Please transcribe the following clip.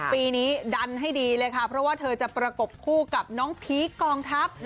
ปีนี้ดันให้ดีเลยค่ะเพราะว่าเธอจะประกบคู่กับน้องพีคกองทัพ